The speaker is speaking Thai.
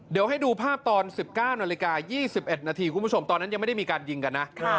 เดี๋ยวให้ดูภาพตอน๑๙นาฬิกา๒๑นาทีคุณผู้ชมตอนนั้นยังไม่ได้มีการยิงกันนะ